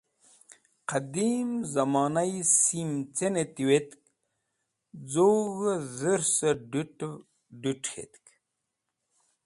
Qẽdim zẽmonayi sim cẽ nẽ tiwetk z̃ug̃hẽ dhũrsẽ d̃ut̃ẽv d̃ũt ket̃tk.